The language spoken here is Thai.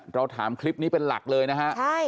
เราถามคลิปนี้เป็นหลักเลยนะฮะ